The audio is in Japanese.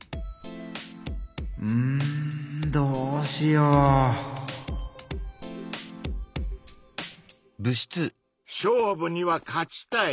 うんどうしよう⁉勝負には勝ちたい。